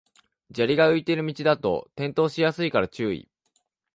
砂利が浮いてる道だと転倒しやすいから注意